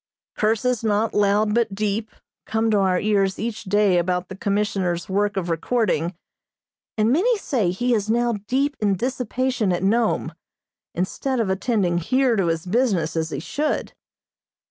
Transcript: "Curses not loud but deep" come to our ears each day about the Commissioner's work of recording, and many say he is now deep in dissipation at Nome, instead of attending here to his business as he should.